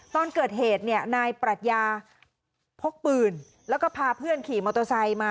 ตอนเกิดเหตุนายปรัชญาศรีพกปืนแล้วก็พาเพื่อนขี่มอโตรไซต์